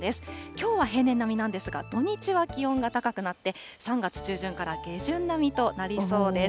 きょうは平年並みなんですが、土日は気温が高くなって、３月中旬から下旬並みとなりそうです。